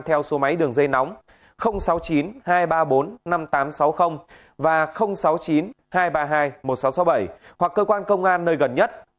theo số máy đường dây nóng sáu mươi chín hai trăm ba mươi bốn năm nghìn tám trăm sáu mươi và sáu mươi chín hai trăm ba mươi hai một nghìn sáu trăm sáu mươi bảy hoặc cơ quan công an nơi gần nhất